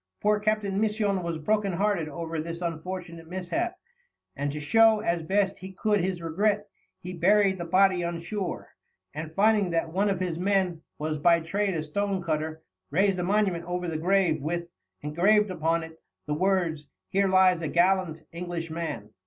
Poor Captain Misson was broken hearted over this unfortunate mishap, and to show as best he could his regret, he buried the body on shore, and, finding that one of his men was by trade a stonecutter, raised a monument over the grave with, engraved upon it, the words: "Here lies a gallant English Man."